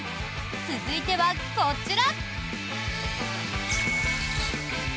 続いては、こちら！